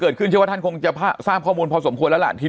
เชื่อว่าท่านคงจะทราบข้อมูลพอสมควรแล้วล่ะที่